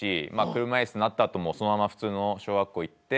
車椅子なったあともそのまま普通の小学校に行って。